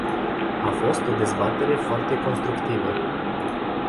A fost o dezbatere foarte constructivă.